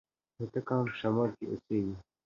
هوتک قوم په شمال کي هم اوسېږي.